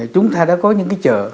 chúng ta đã có những cái chợ